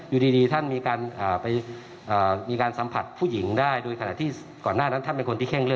อยู่ดีท่านมีการสัมผัสผู้หญิงได้